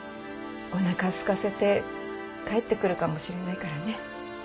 おなかすかせて帰ってくるかもしれないからね。